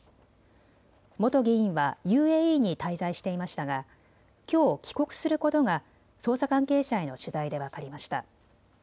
元議員はＵＡＥに滞在していましたがきょう帰国することが捜査関係者への取材で分かりました。